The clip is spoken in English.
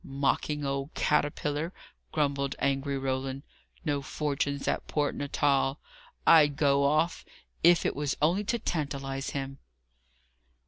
"Mocking old caterpillar!" grumbled angry Roland. "No fortunes at Port Natal! I'd go off, if it was only to tantalize _him!